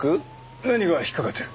何が引っかかってる？